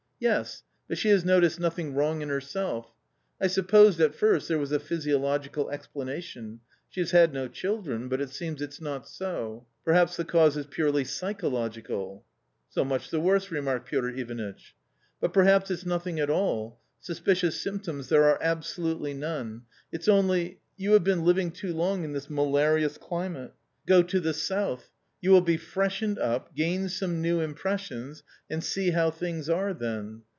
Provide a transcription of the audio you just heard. "Yes; but s he has noticed nothing wrong i n herself. I supposed at firsi there was a physiological explanation : s he has had no children , but it seems it's not so. Perhaps the cause "is purely psychological." " So much the worse !" remarked Piotr Ivanitch. ." But perhaps it's nothing at all. Suspicious symptoms there are absolutely none. It's only .... you have been living too long in this malarious climate. Go to the South : you will be freshened up, gain some new impressions, and see how things are then.